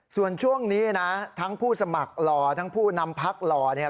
ส่วนช่วงนี้นะทั้งผู้สมัครหล่อทั้งผู้นำพักหล่อเนี่ย